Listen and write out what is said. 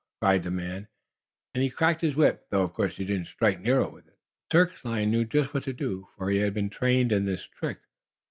cried the man, and he cracked his whip, though of course he did not strike Nero with it. The circus lion knew just what to do, for he had been trained in this trick.